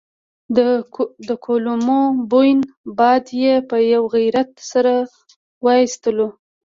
د کولمو بوین باد یې په یوه غرت سره وايستلو.